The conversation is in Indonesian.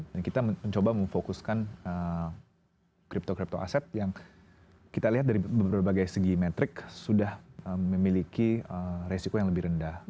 dan kita mencoba memfokuskan crypto crypto aset yang kita lihat dari berbagai segi metrik sudah memiliki resiko yang lebih rendah